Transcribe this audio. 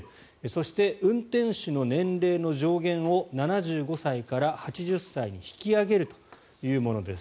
そして運転手の年齢の上限を７５歳から８０歳に引き上げるというものです。